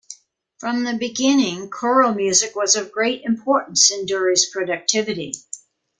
From the beginning, choral music was of great importance in Durey's productivity.